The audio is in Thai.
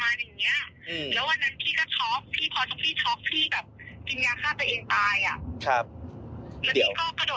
พี่๓ปีที่อยู่ไม่ได้นะเว้ย